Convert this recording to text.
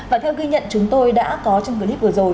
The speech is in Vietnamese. và theo ghi nhận chúng tôi đã có trong clip vừa rồi